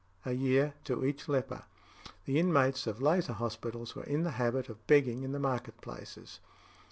a year to each leper. The inmates of lazar hospitals were in the habit of begging in the market places.